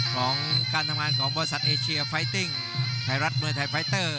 ของการทำงานของบริษัทเอเชียไฟติ้งไทยรัฐมวยไทยไฟเตอร์